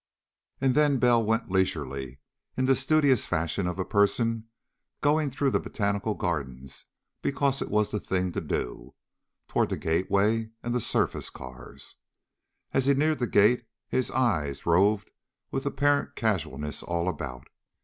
And then Bell went leisurely, in the studious fashion of a person going through the Botanical Gardens because it was the thing to do, toward the gateway and the surface cars. As he neared the gate his eyes roved with apparent casualness all about.